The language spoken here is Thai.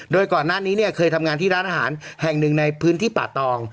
โดยก่อนหน้านี้เนี่ยเคยทำงานที่ร้านอาหารแห่งหนึ่งในพื้นที่ป่าตอง